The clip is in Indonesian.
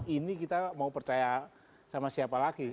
ini kita mau percaya sama siapa lagi